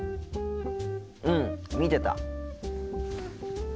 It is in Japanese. うん見てた。